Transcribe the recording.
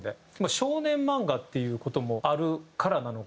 少年漫画っていう事もあるからなのか